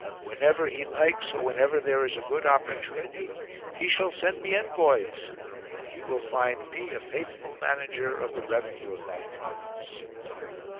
Whenever he likes or whenever there is a good opportunity he shall send me envoys ; and he will find me a faith ful manager of the revenue of that province."